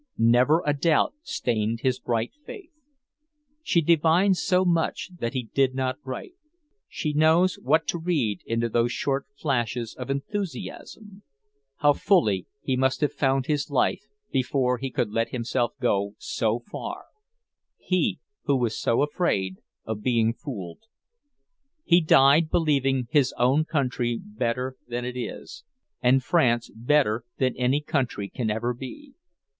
Never a doubt stained his bright faith. She divines so much that he did not write. She knows what to read into those short flashes of enthusiasm; how fully he must have found his life before he could let himself go so far he, who was so afraid of being fooled! He died believing his own country better than it is, and France better than any country can ever be.